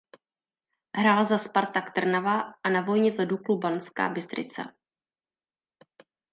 Hrál za Spartak Trnava a na vojně za Duklu Banská Bystrica.